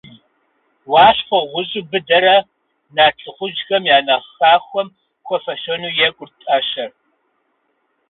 Уащхъуэ гъущӏу быдэрэ, нарт лӏыхъужьхэм я нэхъ хахуэм хуэфэщэну екӏурт ӏэщэр.